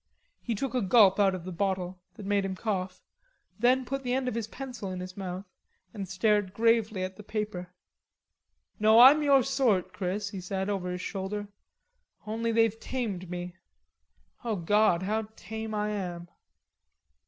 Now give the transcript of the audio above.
He took a gulp out of the bottle, that made him cough, then put the end of his pencil in his mouth and stared gravely at the paper. "No, I'm your sort, Chris," he said over his shoulder, "only they've tamed me. O God, how tame I am."